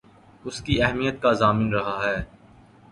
اس کی اہمیت کا ضامن رہا ہے